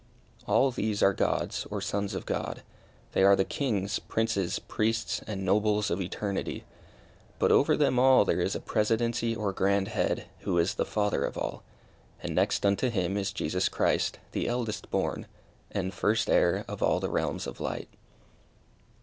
All these are Gods, or sons of God they are the Kings, Princes, Priests, and Nobles of Eternity. But over them all there is a Presidency or Grand Head, who is the Father of all. And next unto him is Jesus Christ, the eldest born, and first heir of all the realms of light.